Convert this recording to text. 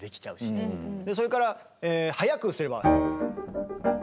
それから速くすれば。